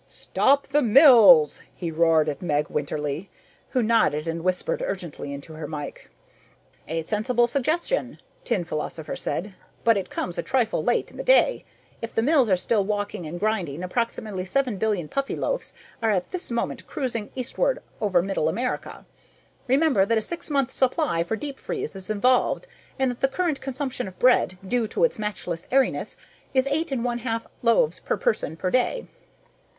"Stop the mills!" he roared at Meg Winterly, who nodded and whispered urgently into her mike. "A sensible suggestion," Tin Philosopher said. "But it comes a trifle late in the day. If the mills are still walking and grinding, approximately seven billion Puffyloaves are at this moment cruising eastward over Middle America. Remember that a six month supply for deep freeze is involved and that the current consumption of bread, due to its matchless airiness, is eight and one half loaves per person per day."